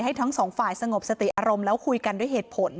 ทั้งสองฝ่ายสงบสติอารมณ์แล้วคุยกันด้วยเหตุผล